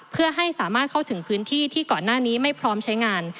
เพื่อให้สามารถเข้าถึงพื้นที่ที่ก่อนหน้านี้ไม่พร้อมใช้งาน